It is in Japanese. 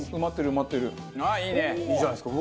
いいじゃないですか。